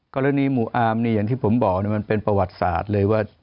กรณีหมู่อาร์มเนี่ยอย่างที่ผมบอกมันเป็นประวัติศาสตร์เลยว่า